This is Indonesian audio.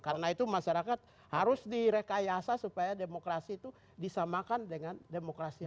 karena itu masyarakat harus direkayasa supaya demokrasi itu disamakan dengan demokrasi lain